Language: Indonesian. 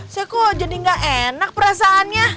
saya kok jadi gak enak perasaannya